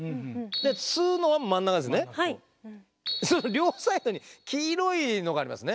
両サイドに黄色いのがありますね。